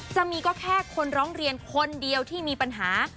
จะมีก็แค่คนร้องเรียนคนเดียวที่มีปัญหา